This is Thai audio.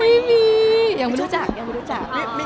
ยังไม่มียังไม่รู้จักยังไม่รู้จัก